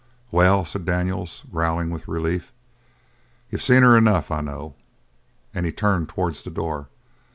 "Well," said Daniels, growling with relief, "you've seen her enough. I know." And he turned towards the door.